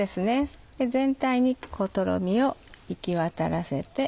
全体にとろみを行き渡らせて。